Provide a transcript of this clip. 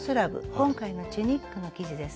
今回のチュニックの生地です。